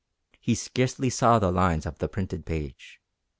He scarcely saw the lines of the printed page.